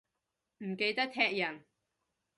唔記得踢人